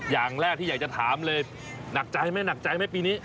อย่างแรกที่อยากจะถามเลยหนักใจไหมหนักใจไหมปีนี้